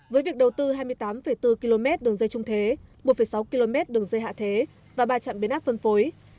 với việc đầu tư hai mươi tám bốn km đường dây trung thế một sáu km đường dây hạ thế và ba trạm biến áp phân phối